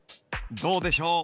どうでしょう？